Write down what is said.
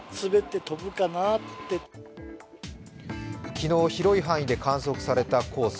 昨日、広い範囲で観測された黄砂。